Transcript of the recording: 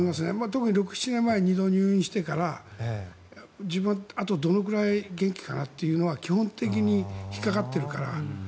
特に６７年前に２度入院してから自分は、あとどのくらい元気かなというのは基本的に引っかかっているから。